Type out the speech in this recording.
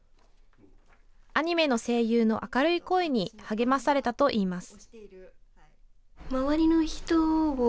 アニメ声優の明るい声に励まされたといいます。